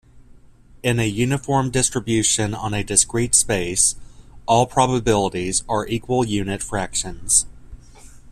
In a uniform distribution on a discrete space, all probabilities are equal unit fractions.